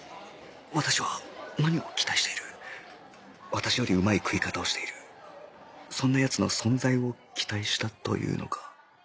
私よりうまい食い方をしているそんな奴の存在を期待したというのか？